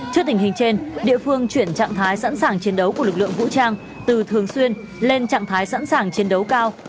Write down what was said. trước tình hình trên địa phương chuyển trạng thái sẵn sàng chiến đấu của lực lượng vũ trang từ thường xuyên lên trạng thái sẵn sàng chiến đấu cao